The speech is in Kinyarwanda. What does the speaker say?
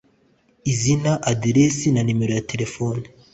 izina aderesi na nimero ya telefoni